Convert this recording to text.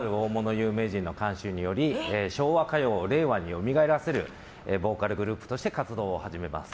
有名人の監修により昭和歌謡を令和によみがえらせるボーカルグループとして活動を始めます。